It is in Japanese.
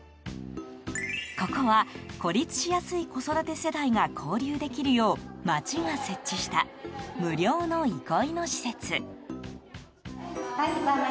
ここは、孤立しやすい子育て世代が交流できるよう町が設置した無料の憩いの施設。